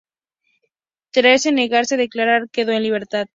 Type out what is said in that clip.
Tras negarse a declarar, quedó en libertad.